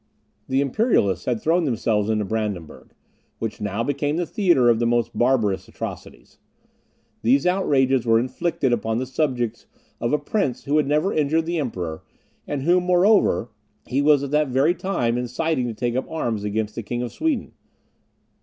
The Imperialists had thrown themselves into Brandenburg, which now became the theatre of the most barbarous atrocities. These outrages were inflicted upon the subjects of a prince who had never injured the Emperor, and whom, moreover, he was at the very time inciting to take up arms against the King of Sweden.